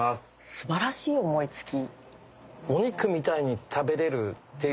素晴らしい思い付き。